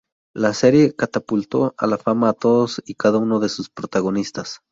La serie catapultó a la fama a todos y cada uno de sus protagonistas.